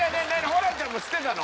ホランちゃんも知ってたの？